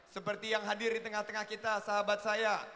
seperti yang hadir di tengah tengah kita sahabat saya